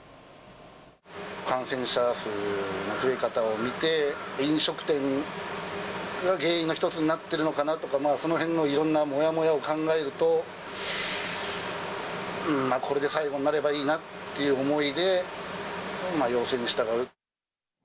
感染者数の増え方を見て、飲食店が原因の一つになってるのかなとか、そのへんのいろんなもやもやを考えると、これで最後になればいいなっていう思いで、要請に従う。